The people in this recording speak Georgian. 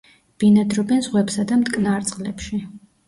ბინადრობენ ზღვებსა და მტკნარ წყლებში.